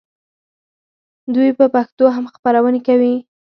دوی په پښتو هم خپرونې کوي.